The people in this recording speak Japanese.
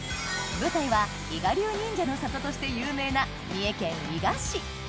舞台は伊賀流忍者の里として有名な三重県伊賀市